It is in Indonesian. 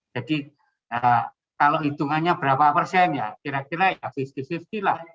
jadi kalau hitungannya berapa persen ya kira kira lima puluh lima puluh lah